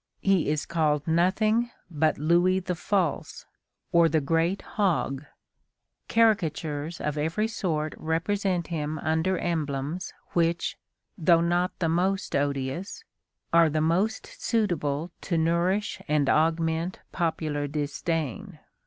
He is called nothing but Louis the False, or the great hog. Caricatures of every sort represent him under emblems which, though not the most odious, are the most suitable to nourish and augment popular disdain.